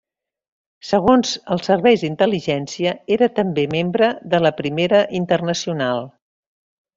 Segons els serveis d'intel·ligència, era també membre de la Primera Internacional.